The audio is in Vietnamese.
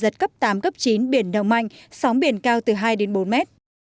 nắm cấp chín biển đông mạnh sóng biển cao từ hai bốn mét